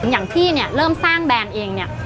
อย่างพี่เนี่ยเริ่มสร้างแบรนด์เองเนี่ย